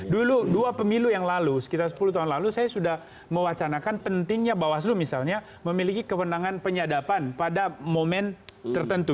dulu dua pemilu yang lalu sekitar sepuluh tahun lalu saya sudah mewacanakan pentingnya bawaslu misalnya memiliki kewenangan penyadapan pada momen tertentu